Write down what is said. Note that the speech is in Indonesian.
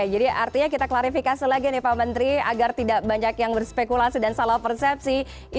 baik pak menteri